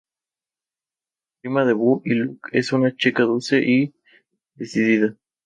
Prima de Bo y Luke, es una chica dulce y decidida.